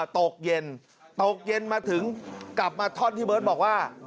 ตกเย็นตกเย็นมาถึงกลับมาท่อนที่เบิร์ตบอกว่า